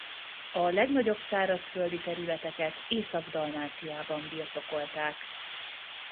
A legnagyobb szárazföldi területeket Észak-Dalmáciában birtokolták.